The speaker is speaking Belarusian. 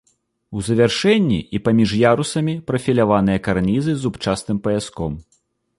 У завяршэнні і паміж ярусамі прафіляваныя карнізы з зубчастым паяском.